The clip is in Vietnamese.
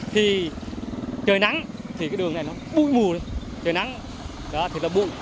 thì trời nắng thì cái đường này nó bụi mùi trời nắng đó thì nó bụi